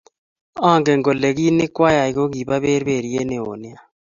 Angen kole kit nikwayay kokibo berberiet neo nea